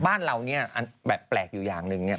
บ้านเราเนี่ยแบบแปลกอยู่อย่างหนึ่งเนี่ย